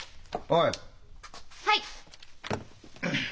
はい！